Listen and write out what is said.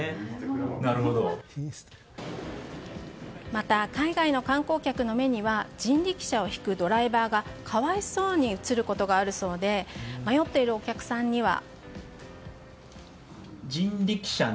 また海外の観光客の目には人力車を引くドライバーが可哀想に映ることがあるそうで迷っているお客さんには。